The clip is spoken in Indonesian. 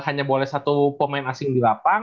hanya boleh satu pemain asing di lapangan